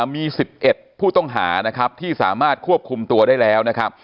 มี๑๑ผู้ต้องหานะครับที่สามารถควบคุมตัวได้แล้วนะครับ